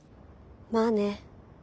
まあね。